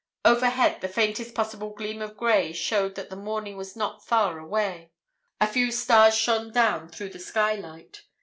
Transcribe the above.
Overhead, the faintest possible gleam of grey showed that the morning was not far away. A few stars shone down through the sky light.